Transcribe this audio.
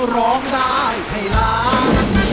ร้องได้ให้ล้าน